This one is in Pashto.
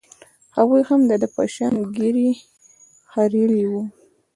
هغوى هم د ده په شان ږيرې خرييلې وې.